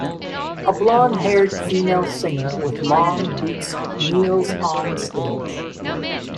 A blondhaired female singer with long boots kneels on stage.